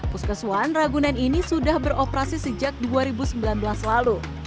puskesuan ragunan ini sudah beroperasi sejak dua ribu sembilan belas lalu